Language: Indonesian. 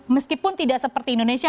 meskipun tidak seperti indonesia